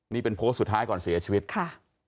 นี่เป็นโพสต์สุดท้ายก่อนเสียชีวิตค่ะ